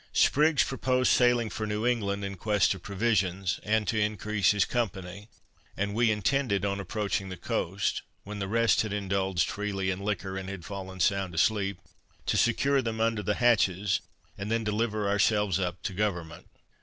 Spriggs proposed sailing for New England, in quest of provisions, and to increase his company; and we intended on approaching the coast, when the rest had indulged freely in liquor, and fallen sound asleep, to secure them under the hatches, and then deliver ourselves up to government.